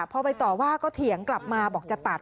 พอไปต่อว่าก็เถียงกลับมาบอกจะตัด